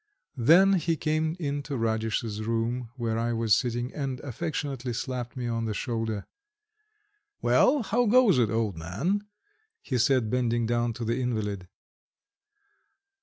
Then he came into Radish's room where I was sitting and affectionately slapped me on the shoulder. "Well, how goes it, old man?" he said, bending down to the invalid.